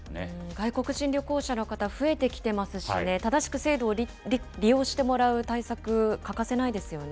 外国人旅行者の方、増えてきてますしね、正しく制度を利用してもらう対策、欠かせないですよね。